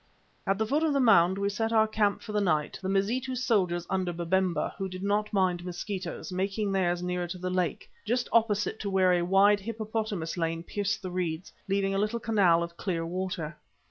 At the foot of the mound we set our camp for the night, the Mazitu soldiers under Babemba, who did not mind mosquitoes, making theirs nearer to the lake, just opposite to where a wide hippopotamus lane pierced the reeds, leaving a little canal of clear water.